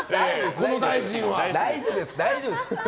大丈夫です。